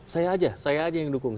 saya aja saya aja yang dukung